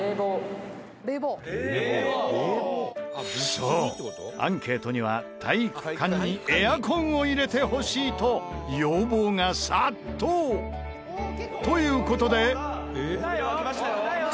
そうアンケートには「体育館にエアコンを入れてほしい」と要望が殺到！という事で。